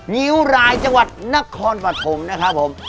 งิ้วรายจังหวัดนครปฐมนะครับผม